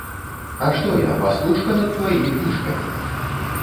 А што я, пастушка над тваімі кніжкамі?